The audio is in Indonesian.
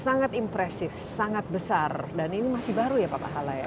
sangat impresif sangat besar dan ini masih baru ya pak pahala ya